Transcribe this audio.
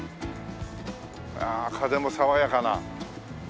あ風も爽やかな。